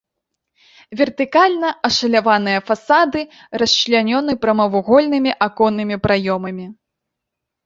Вертыкальна ашаляваныя фасады расчлянёны прамавугольнымі аконнымі праёмамі.